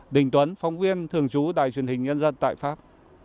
đình tuấn phóng viên thường trú đài truyền hình nhân dân tại pháp